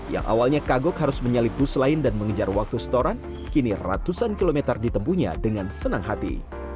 yang awalnya kagok harus menyalip bus lain dan mengejar waktu setoran kini ratusan kilometer ditempunya dengan senang hati